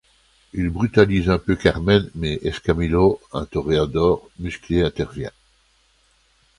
Il brutalise un peu Carmen mais Escamillo, un toréador musclé intervient.